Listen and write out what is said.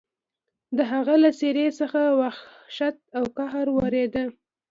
د هغه له څېرې څخه وحشت او قهر ورېده.